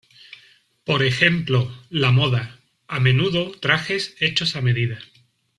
Por ejemplo, la moda, a menudo trajes hechos a medida.